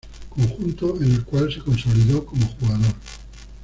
Conjunto en el cual se consolidó como jugador.